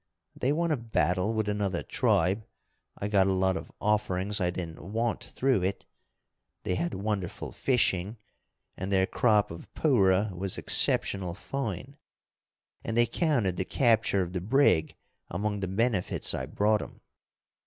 They won a battle with another tribe I got a lot of offerings I didn't want through it they had wonderful fishing, and their crop of pourra was exceptional fine. And they counted the capture of the brig among the benefits I brought 'em.